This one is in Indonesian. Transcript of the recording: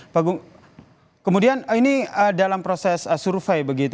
pak gung kemudian ini dalam proses survei begitu